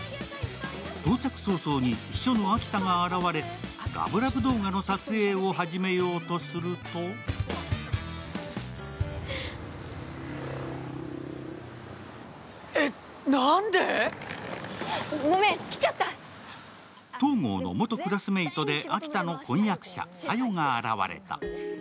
到着早々に秘書の秋田が現れ、ラブラブ動画の撮影を始めようとすると東郷の元クラスメートで秋田の婚約者・小夜が現れた。